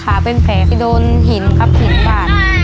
เป็นแผลไปโดนหินครับหินบาด